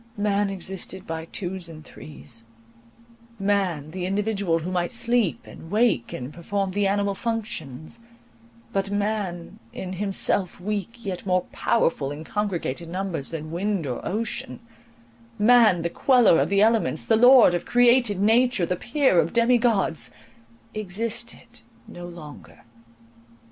Man existed by twos and threes; man, the individual who might sleep, and wake, and perform the animal functions; but man, in himself weak, yet more powerful in congregated numbers than wind or ocean; man, the queller of the elements, the lord of created nature, the peer of demi gods, existed no longer.